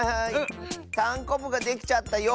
たんこぶができちゃったよ。